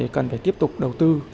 cần phải tiếp tục đầu tư